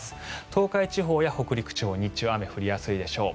東海地方や北陸地方日中、雨が降りやすいでしょう。